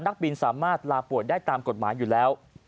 นักบินสามารถลาป่วยได้ตามกฎหมายอยู่แล้ว